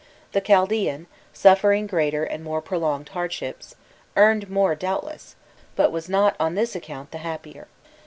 The Chaldaean, suffering greater and more prolonged hardships, earned more doubtless, but was not on this account the happier.